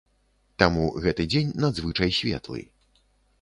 Таму гэты дзень надзвычай светлы.